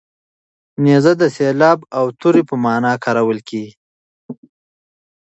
نیز د سیلاب او توی په مانا کارول کېږي.